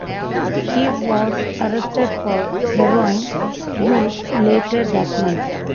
He was arrested for heroin use later that month.